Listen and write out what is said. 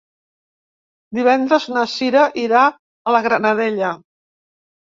Divendres na Cira irà a la Granadella.